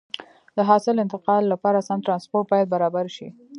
د حاصل انتقال لپاره سم ترانسپورت باید برابر شي.